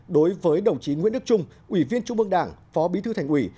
đối với đồng chí nguyễn đức trung ủy viên trung ương đảng phó bí thư thành ủy